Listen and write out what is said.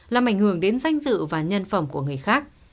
làm ảnh hưởng đến danh dự và nhân phẩm của người khác